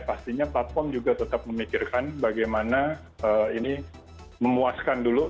pastinya platform juga tetap memikirkan bagaimana ini memuaskan dulu